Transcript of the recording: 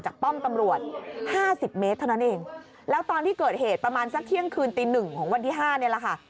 ของวันที่๕นี่แหละค่ะ